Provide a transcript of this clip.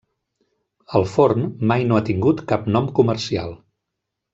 El forn mai no ha tingut cap nom comercial.